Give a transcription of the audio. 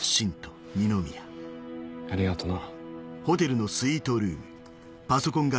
ありがとな。